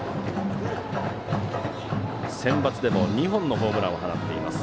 センバツでも、２本のホームランを放っています。